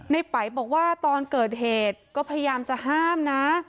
ไปบอกว่าตอนเกิดเหตุก็พยายามจะห้ามนะ